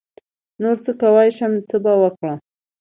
نـور څه کوی شم څه به وکړم.